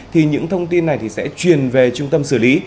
thì những thông tin này sẽ truyền về trung tâm xử lý